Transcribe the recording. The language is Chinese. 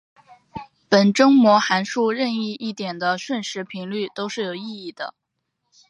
本征模函数任意一点的瞬时频率都是有意义的。